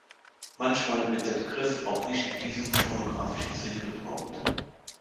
Manchmal wird der Begriff auch nicht in diesem phonographischen Sinne gebraucht.